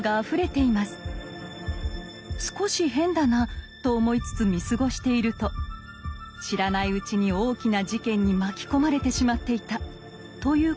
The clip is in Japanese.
少し変だなと思いつつ見過ごしていると知らないうちに大きな事件に巻き込まれてしまっていたということも。